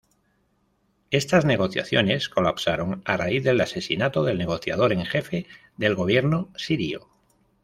Estas negociaciones colapsaron a raíz del asesinato del negociador en jefe del gobierno sirio.